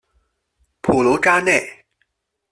普卢扎内。